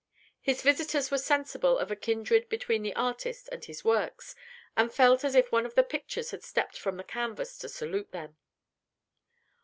His visitors were sensible of a kindred between the artist and his works, and felt as if one of the pictures had stepped from the canvas to salute them.